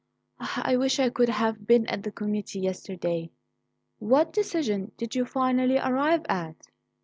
I wish I could have been at the committee yesterday. What decision did you finally arrive at?"